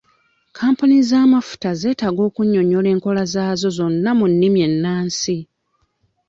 Kampuni z'amafuta zetaaga okunyonyola enkola zaazo zonna mu nnimi ennansi.